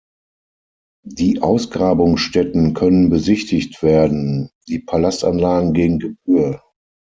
Die Ausgrabungsstätten können besichtigt werden, die Palastanlagen gegen Gebühr.